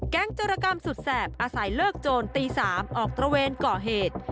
จรกรรมสุดแสบอาศัยเลิกโจรตี๓ออกตระเวนก่อเหตุ